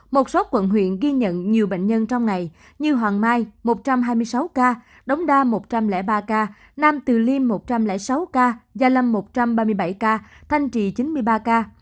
một số quận huyện ghi nhận nhiều bệnh nhân trong ngày như hoàng mai một trăm hai mươi sáu ca đống đa một trăm linh ba ca nam từ liêm một trăm linh sáu ca gia lâm một trăm ba mươi bảy ca thanh trì chín mươi ba ca